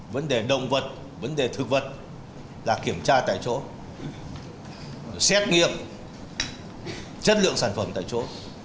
vấn đề động vật vấn đề thực vật là kiểm tra tại chỗ xét nghiệm chất lượng sản phẩm tại chỗ